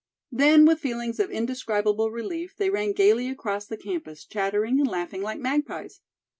Then, with feelings of indescribable relief, they ran gayly across the campus, chattering and laughing like magpies.